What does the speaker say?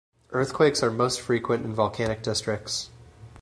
Earthquakes are most frequent in volcanic districts.